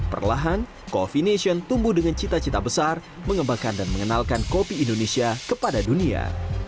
perlahan coffee nation tumbuh dengan cita cita besar mengembangkan dan mengenalkan kopi indonesia kepada dunia